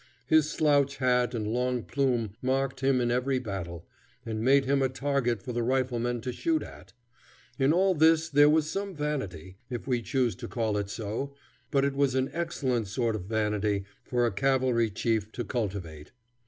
His slouch hat and long plume marked him in every battle, and made him a target for the riflemen to shoot at. In all this there was some vanity, if we choose to call it so, but it was an excellent sort of vanity for a cavalry chief to cultivate.